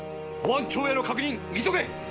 保安庁への確認急げ！